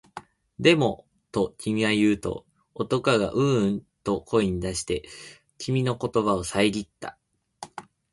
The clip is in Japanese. でも、と君は言うと、男がううんと声に出して、君の言葉をさえぎった